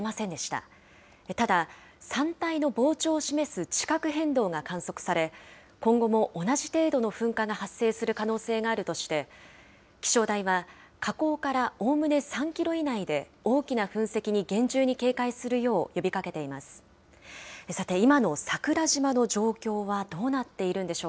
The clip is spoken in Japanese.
ただ、山体の膨張を示す地殻変動が観測され、今後も同じ程度の噴火が発生する可能性があるとして、気象台は火口からおおむね３キロ以内で、大きな噴石に厳重に警戒するよう呼びかけています。